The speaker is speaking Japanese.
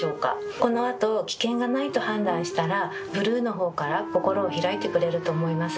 このあと、危険がないと判断したら、ブルーのほうから、心を開いてくれると思います。